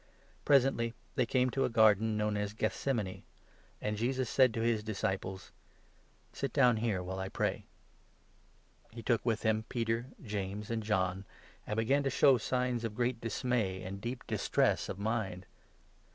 Presently they came to a garden known as 32 Jesus in Gethsemane, and Jesus said to his disciples " Sit Ccthsemane. .'...•'„ down here while I pray. He took with him Peter, James, and John, and began to show 33 signs of great dismay and deep distress of mind.